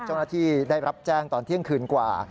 เจ้าหน้าที่ได้รับแจ้งตอนเที่ยงคืนกว่า